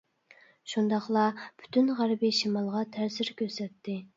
شۇنداقلا پۈتۈن غەربىي شىمالغا تەسىر كۆرسەتتى.